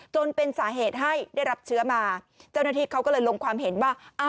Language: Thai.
จนเป็นสาเหตุให้ได้รับเชื้อมาเจ้าหน้าที่เขาก็เลยลงความเห็นว่า